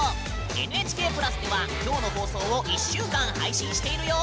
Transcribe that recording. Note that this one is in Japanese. ＮＨＫ＋ではきょうの放送を１週間配信しているよ！